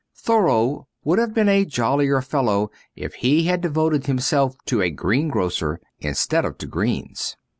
Thoreau would have been a jollier fellow if he had devoted himself to a green grocer instead of to greens.'